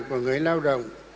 của người lao động